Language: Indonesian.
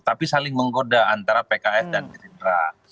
tapi saling menggoda antara pks dan gerindra